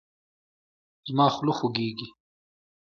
زما خوله خوږیږي